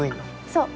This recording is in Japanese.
そう。